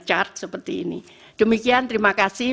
chart seperti ini demikian terima kasih